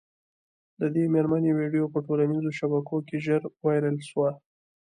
د دې مېرمني ویډیو په ټولنیزو شبکو کي ژر وایرل سوه